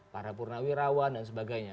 para purnawirawan dan sebagainya